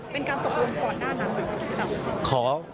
เป็นการตกลงก่อนหน้านั้นเหรอครับ